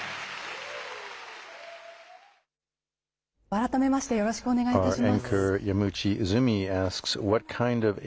改めまして、よろしくお願いいたします。